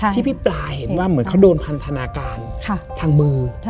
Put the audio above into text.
ที่พี่ปลาเห็นว่าเหมือนเขาโดนพันธนาการทางมือ